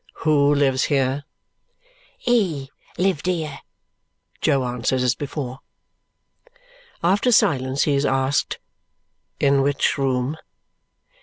"Who lives here?" "HE lived here," Jo answers as before. After a silence he is asked, "In which room?"